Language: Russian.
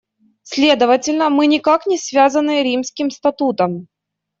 Следовательно, мы никак не связаны Римским статутом.